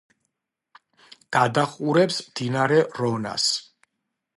გადაჰყურებს მდინარე რონას.